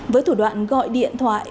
với thủ đoạn gọi điện thoại